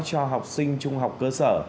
cho học sinh trung học cơ sở